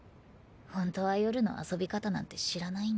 ホントは夜の遊び方なんて知らないんだ。